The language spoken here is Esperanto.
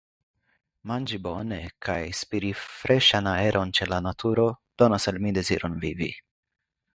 Manĝi bone kaj spiri freŝan aeron ĉe la naturo donas al mi deziron vivi.